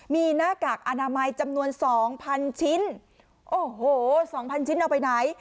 มีหน้ากากอนามัยจำนวนสองพันชิ้นโอ้โหสองพันชิ้นเอาไปไหน